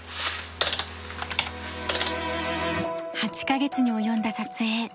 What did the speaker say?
８カ月に及んだ撮影。